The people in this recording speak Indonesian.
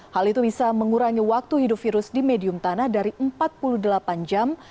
hal itu bisa mengurangi waktu hidup virus di medium tanah dari empat puluh delapan jam